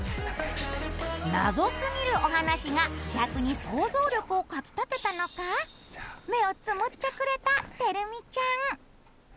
謎すぎるお話が逆に想像力をかきたてたのか目をつむってくれたてるみちゃん。